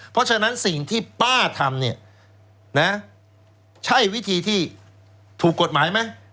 เพราะฉะนั้นสิ่งที่ป้าทำเนี่ยนะใช่วิธีที่ถูกกฎหมายไหม